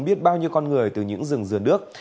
biết bao nhiêu con người từ những rừng dừa nước